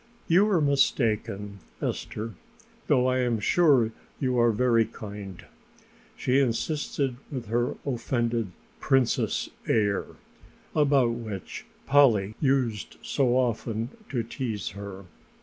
"You are mistaken, Esther, though I am sure you are very kind," she insisted with her offended Princess air, about which Polly used so often to tease her.